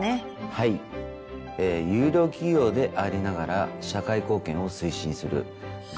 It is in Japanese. はい優良企業でありながら社会貢献を推進する。